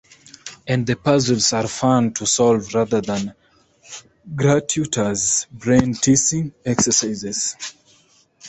And the puzzles are fun to solve rather than gratuitous brain-teasing exercises.